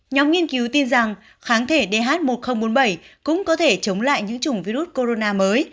nhóm nghiên cứu tin rằng kháng thể dh một nghìn bốn mươi bảy cũng có thể chống lại những chủng virus corona mới